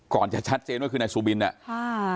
ก่อนจะชัดเจนว่าคือนายซูบินเนี่ย